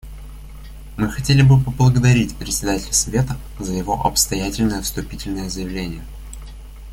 Мы хотели бы поблагодарить Председателя Совета за его обстоятельное вступительное заявление.